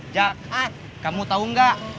jakart kamu tau nggak